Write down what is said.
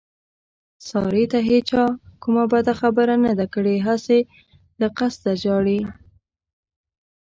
سارې ته هېچا کومه بده خبره نه ده کړې، هسې له قسته ژاړي.